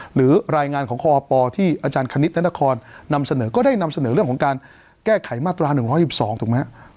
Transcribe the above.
หรือรายงานของคปที่อาจารย์คณิตและนครนำเสนอก็ได้นำเสนอเรื่องของการแก้ไขมาตรา๑๑๒ถูกไหมฮะ